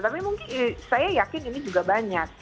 tapi mungkin saya yakin ini juga banyak